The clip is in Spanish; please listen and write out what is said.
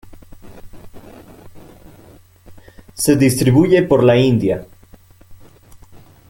Se distribuye por la India.